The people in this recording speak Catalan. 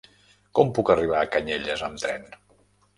Com puc arribar a Canyelles amb tren?